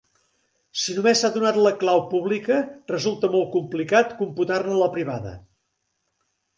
Si només s'ha donat la clau pública, resulta molt complicat computar-ne la privada.